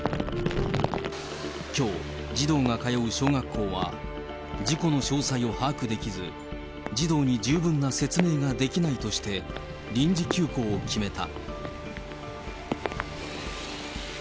きょう、児童が通う小学校は、事故の詳細を把握できず、児童に十分な説明ができないとして、臨時休校を決めた。